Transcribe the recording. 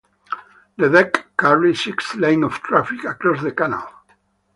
The deck carries six lanes of traffic across the canal.